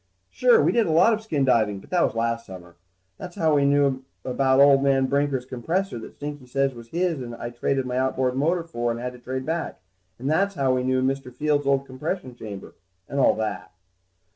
Sure, we did a lot of skin diving, but that was last summer. That's how we knew about old man Brinker's compressor that Stinky said was his and I traded my outboard motor for and had to trade back. And that's how we knew about Mr. Fields' old compression chamber, and all like that.